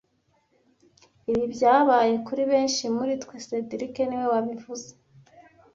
Ibi byabaye kuri benshi muri twe cedric niwe wabivuze